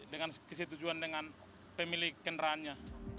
dengan kesetujuan dengan pemilik kendaraannya